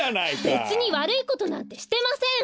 べつにわるいことなんてしてません！